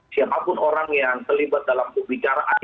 siapapun orang yang terlibat dalam pembicaraan